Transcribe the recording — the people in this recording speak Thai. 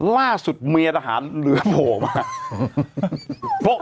ล่าสุดเมียทหารเรือโผล่มา